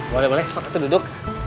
boleh boleh besok itu duduk